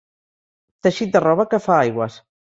Teixit de roba que fa aigües.